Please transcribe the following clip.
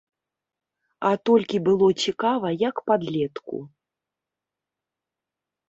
А толькі было цікава як падлетку.